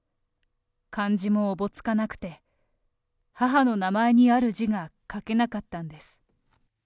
漢字もおぼつかなくて、母の名前にある字が書けなかったんです。